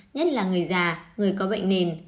nhất là người già người có bệnh nền